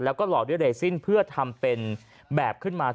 แล้วก็หลอกด้วยเรซินเพื่อทำเป็นแบบขึ้นมา